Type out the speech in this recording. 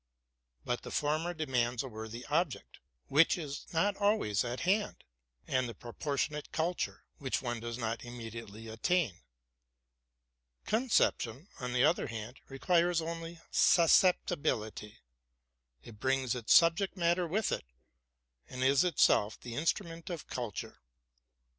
But the former demands a worthy object, which is not always at hand, and a proportionate culture, which one does not immediately attain. Concep tion, on the other hand, requires only susceptibility: it brings its subject matter with it, and is itself the instrument of culture.